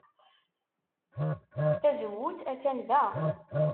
Tazewwut attan da.